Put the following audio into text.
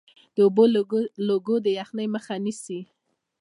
د اوبو لګول د یخنۍ مخه نیسي؟